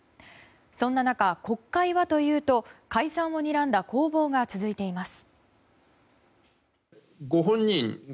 そんな中、国会はというと解散をにらんだ攻防が続いています。